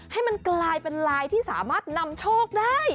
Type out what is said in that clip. ให้มันกลายเป็นลายที่สามารถนำโชคได้